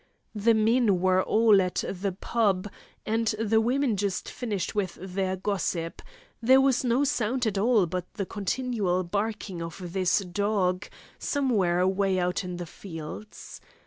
The men were all at the pub, and the women just finished with their gossip; there was no sound at all but the continual barking of this dog, somewhere away out in the fields.